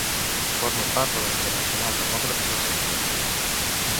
Forma part de la Internacional Demòcrata de Centre.